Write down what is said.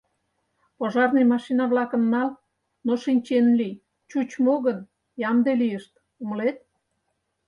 Пожарный машина-влакым нал, но шинчен лий, чуч мо гын, ямде лийышт, умылет?